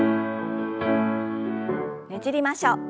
ねじりましょう。